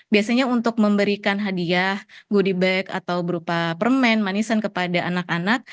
biasanya untuk memberikan hadiah goodie bag atau berupa permen manisan kepada anak anak